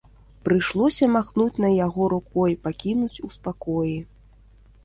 Прыйшлося махнуць на яго рукой, пакінуць у спакоі.